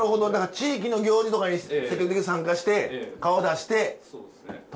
地域の行事とかに積極的に参加して顔出して溶け込んでいこうと。